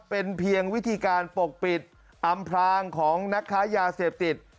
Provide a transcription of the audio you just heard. เป็นเพียงวิธีการปกปิดอำพลางของนักค้ายาเสพติด